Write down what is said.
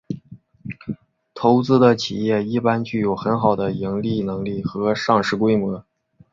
投资的企业一般具有很好的盈利能力和上市规模。